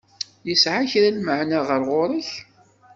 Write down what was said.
Yesεa kra n lmeεna ɣer ɣur-k?